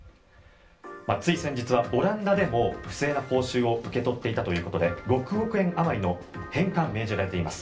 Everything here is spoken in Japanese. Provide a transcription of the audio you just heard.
つい先日はオランダでも不正な報酬を受け取っていたということで６億円あまりの返還を求められています。